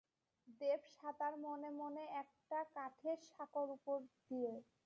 দেব সাঁতার মনে মনে, একটা কাঠের সাঁকোর উপর দিয়ে।